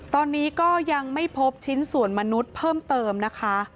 ตอนนี้ก็ยังไม่พบชิ้นส่วนมนุษย์เพิ่มเติมนะคะ